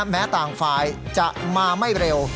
แม้ต่างฝ่ายจะมาไม่เร็ว